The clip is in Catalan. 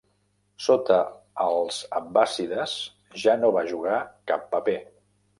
Sota els abbàssides ja no va jugar cap paper.